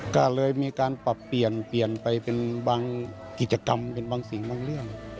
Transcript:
ก็เลยมีการปรับเปลี่ยนเปลี่ยนไปเป็นบางกิจกรรมเป็นบางสิ่งบางเรื่อง